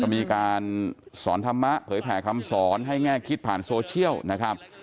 มีการสอนธรรมะเผยแผ่คำสอนให้แง่คิดผ่านโซเชียลนะครับ